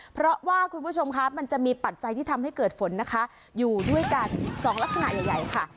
เพราะว่าคุณผู้ชมค่ะมันจะมีปัจจัยที่ทำให้เกิดฝนนะคะอยู่ด้วยกันสองลักษณะใหญ่ค่ะ